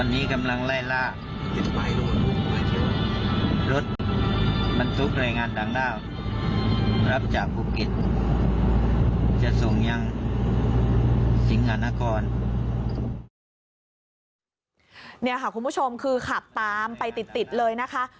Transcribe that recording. นี่ค่ะคุณผู้ชมคือขับตามไปติดเลยนะคะ